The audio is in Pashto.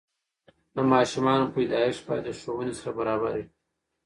د ماشومانو پیدایش باید د ښوونې سره برابره وي.